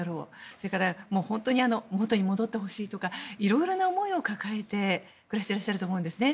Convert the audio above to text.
それから、元に戻ってほしいとか色々な思いを抱えて暮らしてらっしゃると思うんですね。